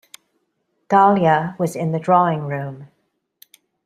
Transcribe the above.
Dahlia was in the drawing-room.